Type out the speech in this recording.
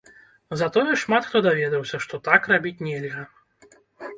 Затое шмат хто даведаўся, што так рабіць нельга.